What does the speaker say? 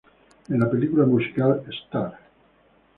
En la película musical "Star!